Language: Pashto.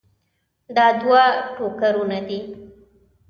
دا دوه ټوکرونه دي.